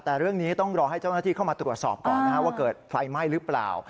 แต่เรื่องนี้ต้องรอให้เจ้าหน้าที่เข้ามาตรวจสอบก่อนว่าเกิดไฟไหม้หรือเปล่า